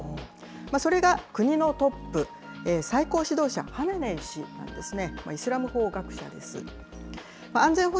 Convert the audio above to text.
それが国のトップ、最高指導者、ハメネイ師なんですね。